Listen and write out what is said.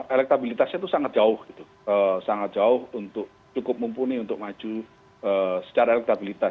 elektabilitasnya itu sangat jauh cukup mumpuni untuk maju secara elektabilitas